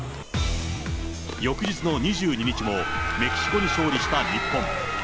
翌日の２２日も、メキシコに勝利した日本。